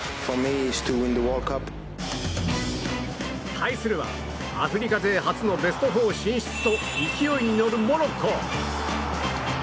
対するはアフリカ勢初のベスト４進出と勢いに乗るモロッコ。